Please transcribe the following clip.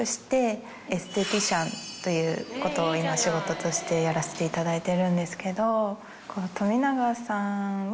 エステティシャンということを今仕事としてやらせていただいてるんですけど。